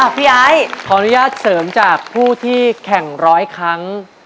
พี่ไอ้ขออนุญาตเสริมจากผู้ที่แข่งร้อยครั้ง